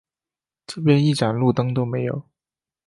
这边一盏路灯都没有